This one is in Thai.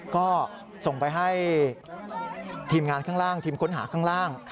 ก็ส่งไปให้ทีมงานข้างล่างทีมค้นหาข้างล่าง